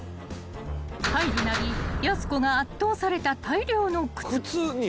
［入るなりやす子が圧倒された大量の靴］